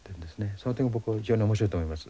その点が僕非常に面白いと思います。